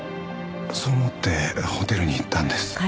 そう思ってホテルに行ったんです。